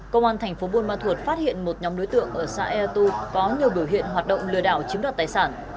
công an tp bôn ma thuật phát hiện một nhóm đối tượng ở xã e tu có nhiều biểu hiện hoạt động lừa đảo chiếm đoạt tài sản